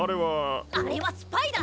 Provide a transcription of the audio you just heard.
あれはスパイだ！